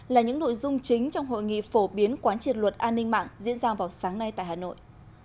là những nội dung chính trong hội nghị phổ biến quán triệt luật an ninh mạng diễn ra vào sáng nay tại hà nội